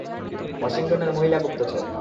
ওয়াশিংটনের মহিলা গুপ্তচর।